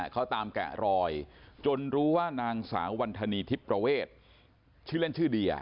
เขาตามแกะรอยจนรู้ว่านางสาววันธนีทิพย์ประเวทชื่อเล่นชื่อเดีย